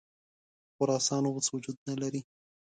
خراسان اوس وجود نه لري.